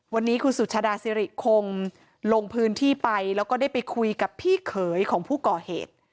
วันนี้คุณสุชาดาสิริคงลงพื้นที่ไปแล้วก็ได้ไปคุยกับพี่เขยของผู้ก่อเหตุ